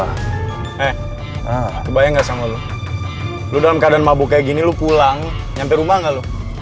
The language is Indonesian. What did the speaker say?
eh kebayang gak sama lo lo dalam keadaan mabuk kayak gini lo pulang nyampe rumah gak lo